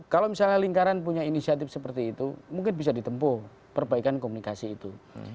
kalau misalnya lingkaran punya inisiatif seperti itu mungkin bisa ditempuh perbaikan komunikasi itu